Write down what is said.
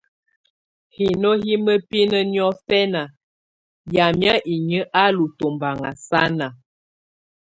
Hino hɛ̀ mǝpinǝ́ niɔ̀fɛna yamɛ̀á inyǝ́ á lù tɔmbaŋa sana.